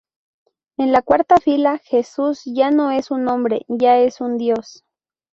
En la cuarta fila Jesús ya no es un hombre, ya es un Dios.